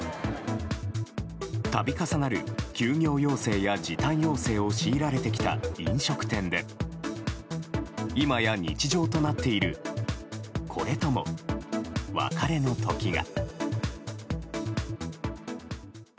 度重なる休業要請や時短要請を強いられてきた飲食店で今や日常となっているこれとも別れの時が。